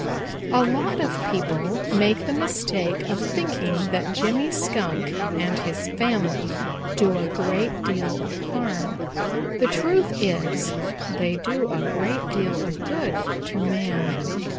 "A lot of people make the mistake of thinking that Jimmy Skunk and his family do a great deal of harm. The truth is, they do a great deal of good to man.